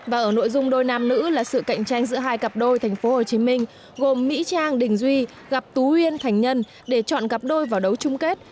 và ở nội dung đôi nam nữ là sự cạnh tranh giữa hai cặp đôi tp hcm gồm mỹ trang đình duy gặp tú uyên thành nhân để chọn cặp đôi vào đấu chung kết